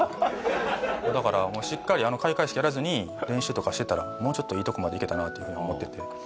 だからもうしっかりあの開会式やらずに練習とかしてたらもうちょっといいとこまでいけたなっていうふうに思ってて。